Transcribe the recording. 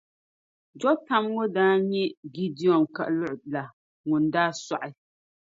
Jɔtam ŋun daa nyɛ Gidiɔn kaluɣ’ la ŋun’ daa sɔɣi.